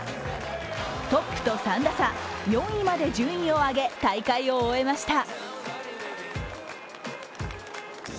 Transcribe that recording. トップと３打差、４位まで順位を上げ大会を終えました。